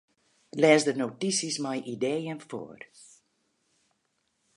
Lês de notysjes mei ideeën foar.